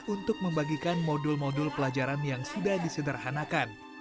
untuk membagikan modul modul pelajaran yang sudah disederhanakan